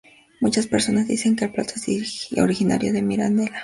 Muchas personas dicen que el plato es originario de Mirandela.